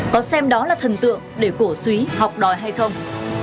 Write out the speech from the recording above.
có xem đó là thần tượng để cổ suý học đòi hay không